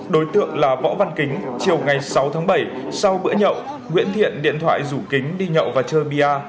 đối tượng là võ văn kính chiều ngày sáu tháng bảy sau bữa nhậu nguyễn thiện điện thoại rủ kính đi nhậu và chơi bia